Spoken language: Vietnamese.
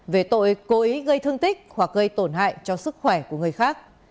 về tội cố ý gây thương tích hoặc gây tổn hại cho sức khỏe của người khác